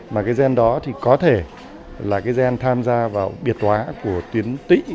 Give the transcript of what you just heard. mà cái gen đó thì có thể là cái gen tham gia vào biệt hóa của tuyến tị